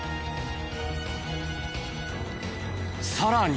さらに。